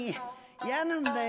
やなんだよ